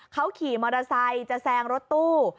เขาขี่มอเตอร์ไซค์จะแซงรถตู้